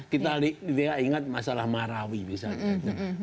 kita ingat masalah marawi misalnya